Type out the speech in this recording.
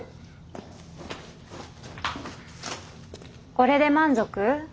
これで満足？